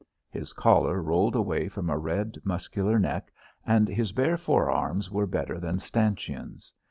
His collar rolled away from a red, muscular neck, and his bare forearms were better than stanchions.